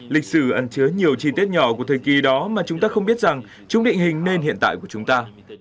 lịch sử ẩn chứa nhiều chi tiết nhỏ của thời kỳ đó mà chúng ta không biết rằng chúng định hình nên hiện tại của chúng ta